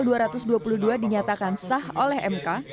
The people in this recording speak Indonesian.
pasal dua ratus dua puluh dua dinyatakan sah oleh mk